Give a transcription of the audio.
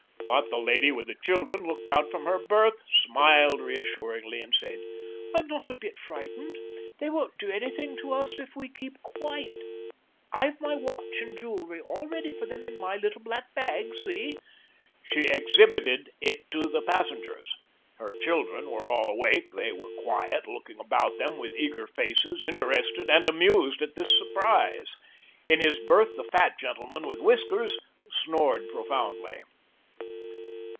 But the lady with the children looked out from her berth, smiled reassuringly, and said: "I'm not a bit frightened. They won't do anything to us if we keep quiet. I've my watch and jewelry all ready for them in my little black bag, see?" She exhibited it to the passengers. Her children were all awake. They were quiet, looking about them with eager faces, interested and amused at this surprise. In his berth, the fat gentleman with whiskers snored profoundly.